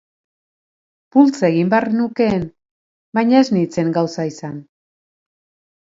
Bultza egin behar nukeen, baina ez nintzen gauza izan.